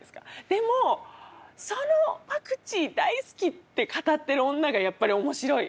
でもそのパクチー大好きって語ってる女がやっぱり面白い。